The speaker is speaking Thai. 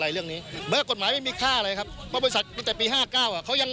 จนถึงปัจจุบันนี้จนกระทั่งมีการสละวิวาดกัน